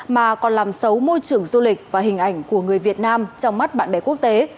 mà còn làm xấu môi trường du lịch và hình ảnh của người việt nam trong mắt bạn bè quốc tế